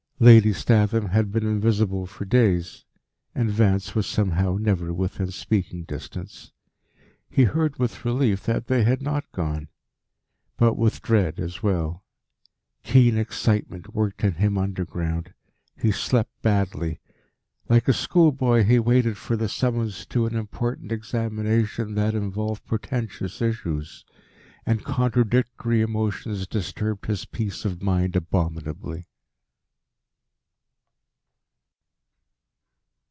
Lady Statham had been invisible for days, and Vance was somehow never within speaking distance. He heard with relief that they had not gone but with dread as well. Keen excitement worked in him underground. He slept badly. Like a schoolboy, he waited for the summons to an important examination that involved portentous issues, and contradictory emotions disturbed his peace of mind abominably.